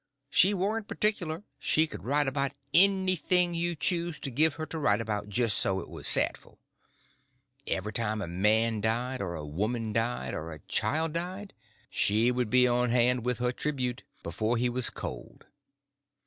She warn't particular; she could write about anything you choose to give her to write about just so it was sadful. Every time a man died, or a woman died, or a child died, she would be on hand with her "tribute" before he was cold.